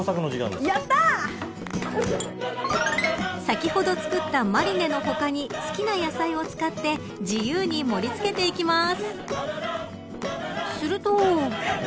先ほど作ったマリネの他に好きな野菜を使って自由に盛り付けていきます。